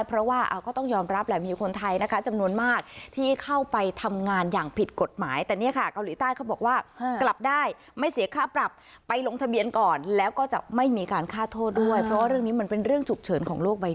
เพราะว่าก็ต้องยอมรับแหละมีคนไทยนะคะจำนวนมากที่เข้าไปทำงานอย่างผิดกฎหมายแต่เนี่ยค่ะเกาหลีใต้เขาบอกว่ากลับได้ไม่เสียค่าปรับไปลงทะเบียนก่อนแล้วก็จะไม่มีการฆ่าโทษด้วยเพราะว่าเรื่องนี้มันเป็นเรื่องฉุกเฉินของโลกใบ